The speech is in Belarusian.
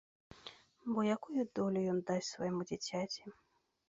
Бо якую долю ён дасць свайму дзіцяці?